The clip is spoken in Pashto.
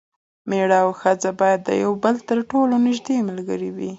میړه او ښځه باید د یو بل تر ټولو نږدې ملګري وي.